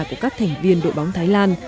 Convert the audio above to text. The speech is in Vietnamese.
của các thành viên đội bóng thái lan